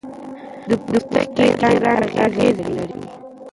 د پوستکي رنګ اغېز لري.